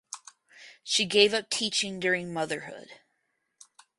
She gave up teaching during motherhood.